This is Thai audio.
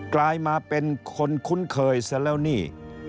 กลายมาเป็นคนคุ้นเคยซะแล้วนี่